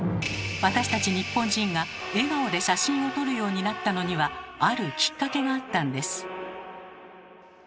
私たち日本人が笑顔で写真を撮るようになったのにはあるきっかけがあったんです。